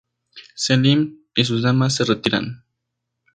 Selim y sus damas se retiran.